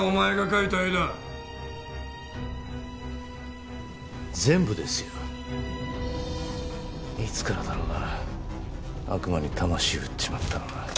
いつからだろうな悪魔に魂売っちまったのは。